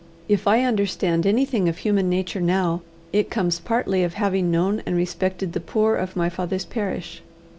If I understand anything of human nature now, it comes partly of having known and respected the poor of my father's parish.